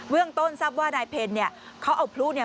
เวื่องต้นทราบว่านายเพลล์เนี่ย